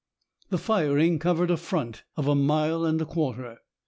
The firing covered a front of a mile and a quarter.